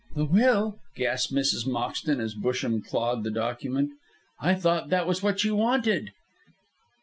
"The will!" gasped Mrs. Moxton, as Busham clawed the document. "I thought that was what you wanted."